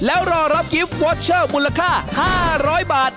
แล้วรอรับกิฟต์วอเชอร์มูลค่า๕๐๐บาท